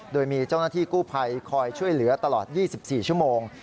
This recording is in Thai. โดยมีเจ้าหน้าที่กู้ภัยคอยช่วยเหลือตลอด๒๔ชั่วโมง